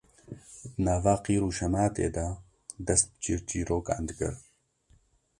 di nava qîr û şematê de dest bi çîrçîrokan dikirin